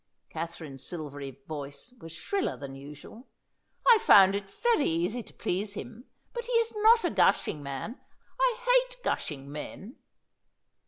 Katherine's silvery voice was shriller than usual. "I found it very easy to please him. But he is not a gushing man. I hate gushing men."